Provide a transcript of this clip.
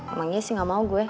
emangnya sih gak mau gue